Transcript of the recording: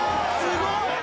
・すごい！